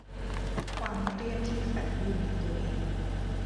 ความเครียดที่แฝงอยู่ในตัวเอง